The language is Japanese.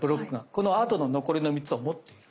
このあとの残りの３つも持っている。